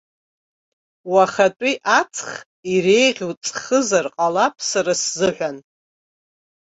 Уахатәи аҵх иреиӷьу ҵхызар ҟалап сара сзыҳәан.